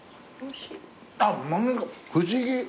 不思議。